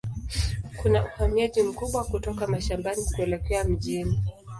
Kuna uhamiaji mkubwa kutoka mashambani kuelekea mjini.